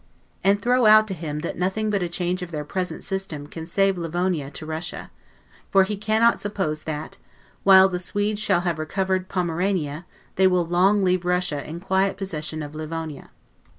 And throw out to him that nothing but a change of their present system can save Livonia to Russia; for that he cannot suppose that, when the Swedes shall have recovered Pomerania they will long leave Russia in quiet possession of Livonia.